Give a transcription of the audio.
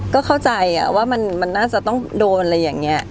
ก็เข้าใจว่ามันน่าจะต้องโดนอะไรอย่างนี้